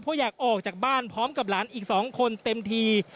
เพราะอยากออกจากบ้านพร้อมกับหลานอีก๒คนเต็มที